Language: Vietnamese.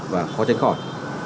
và khó tránh khỏi